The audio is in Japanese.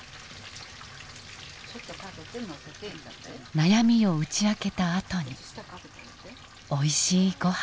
悩みを打ち明けたあとにおいしいごはん。